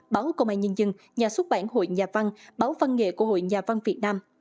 báo công an nhân dân nhà xuất bản hội nhà văn báo văn nghệ của hội nhà văn việt nam